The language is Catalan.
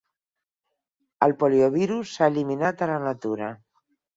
El poliovirus s"ha eliminat a la natura.